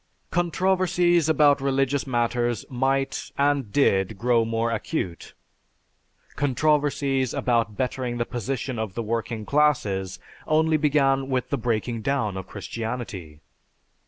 Controversies about religious matters might, and did, grow more acute; controversies about bettering the position of the working classes only began with the breaking down of Christianity.